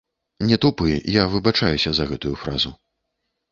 Не тупы, я выбачаюся за гэтую фразу.